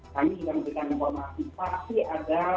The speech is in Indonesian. kami juga memberikan informasi pasti ada